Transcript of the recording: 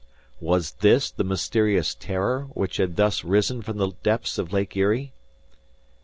Was this the mysterious "Terror" which had thus risen from the depths of Lake Erie?